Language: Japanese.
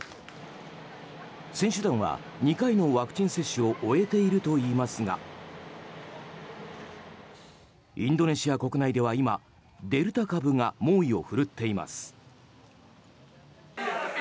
選手団は、２回のワクチン接種を終えているといいますがインドネシア国内では今デルタ株が猛威を振るっています。